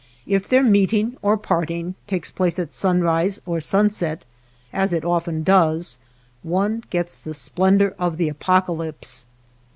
If their meeting or parting takes place at sunrise or sunset, as it often does, one gets the splendor of the apoca lypse.